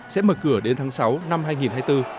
sẽ mở cửa đến tháng sáu năm hai nghìn hai mươi bốn